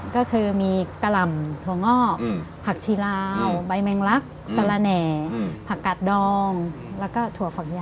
ก็คือมีกะหล่ำถั่วงอกผักชีลาวใบแมงลักสละแหน่ผักกัดดองแล้วก็ถั่วฝักยาว